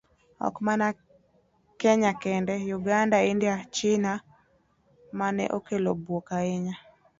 Ok mana kenya kende, Uganda, India, China, mane okelo buok ahinya.